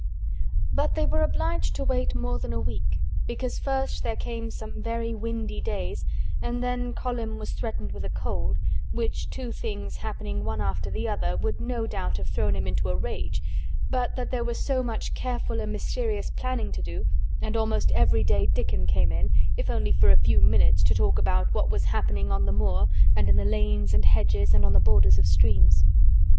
But they were obliged to wait more than a week because first there came some very windy days and then Colin was threatened with a cold, which two things happening one after the other would no doubt have thrown him into a rage but that there was so much careful and mysterious planning to do and almost every day Dickon came in, if only for a few minutes, to talk about what was happening on the moor and in the lanes and hedges and on the borders of streams.